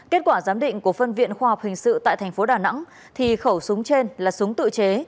kết quả giám định của phân viện khoa học hình sự tại tp đà nẵng thì khẩu súng trên là súng tự chế